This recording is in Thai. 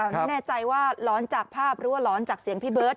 ไม่แน่ใจว่าหลอนจากภาพหรือจากเสียงพี่เบิร์ท